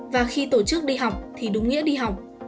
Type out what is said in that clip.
và khi tổ chức đi học thì đúng nghĩa đi học